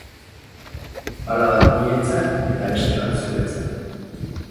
Bala bat niretzat eta beste bat zuretzat.